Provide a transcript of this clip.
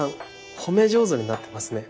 褒め上手になってますね。